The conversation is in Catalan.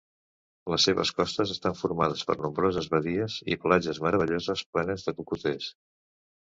Les seves costes estan formades per nombroses badies i platges meravelloses plenes de cocoters.